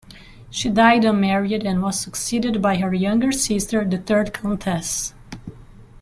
She died unmarried and was succeeded by her younger sister, the third Countess.